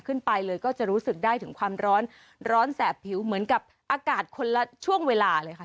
ขึ้นไปเลยก็จะรู้สึกได้ถึงความร้อนร้อนแสบผิวเหมือนกับอากาศคนละช่วงเวลาเลยค่ะ